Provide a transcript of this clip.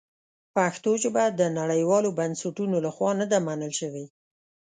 پښتو ژبه د نړیوالو بنسټونو لخوا نه ده منل شوې.